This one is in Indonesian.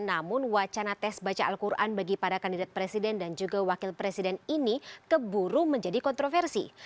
namun wacana tes baca al quran bagi para kandidat presiden dan juga wakil presiden ini keburu menjadi kontroversi